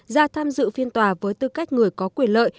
ra tham dự phiên tòa với tư cách người có quyền lợi